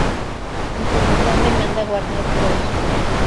Ante la gran demanda, Warner Bros.